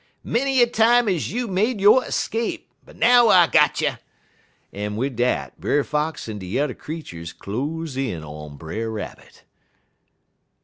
'Many a time is you made yo' 'scape, but now I got you!' En wid dat, Brer Fox en de yuther creeturs cloze in on Brer Rabbit.